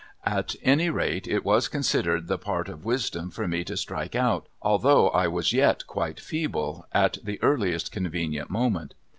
At any rate, it was considered the part of wisdom for me to strike out, although I was yet quite feeble, at the earliest convenient moment.